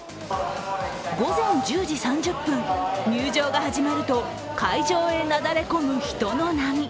午前１０時３０分、入場が始まると会場へなだれ込む人の波。